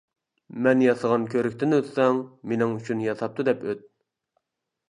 مەن ياسىغان كۆۋرۈكتىن ئۆتسەڭ، مىنىڭ ئۈچۈن ياساپتۇ دەپ ئۆت.